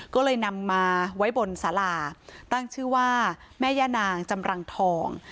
ก็เลยนำมาไว้บนสาราตั้งชื่อว่าแม่ย่านางจำรังทอง